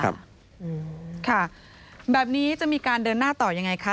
ค่ะแบบนี้จะมีการเดินหน้าต่อยังไงคะ